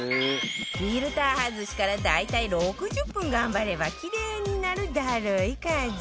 フィルター外しから大体６０分頑張ればキレイになるダルい家事